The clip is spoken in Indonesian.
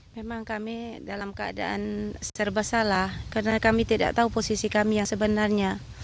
memang kami dalam keadaan serba salah karena kami tidak tahu posisi kami yang sebenarnya